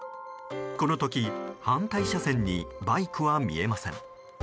この時、反対車線にバイクは見えません。